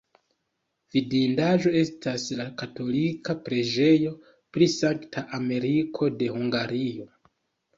Vidindaĵo estas la katolika preĝejo pri Sankta Emeriko de Hungario.